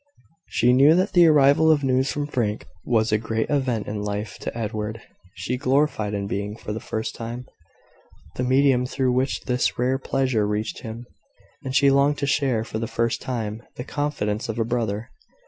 She knew that the arrival of news from Frank was a great event in life to Edward. She gloried in being, for the first time, the medium through which this rare pleasure reached him; and she longed to share, for the first time, the confidence of a brother.